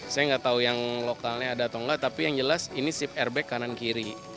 saya nggak tahu yang lokalnya ada atau enggak tapi yang jelas ini sip airbag kanan kiri